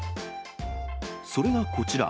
それがこちら。